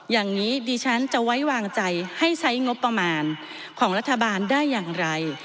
อย่างนี้ดิฉันจะไว้วางใจให้ใช้งบประมาณของรัฐบาลได้อย่างไร